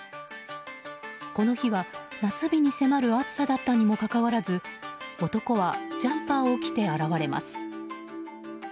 この日は、夏日に迫る暑さだったにもかかわらず男はジャンパーを着て現れます。